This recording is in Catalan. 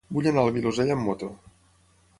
Vull anar al Vilosell amb moto.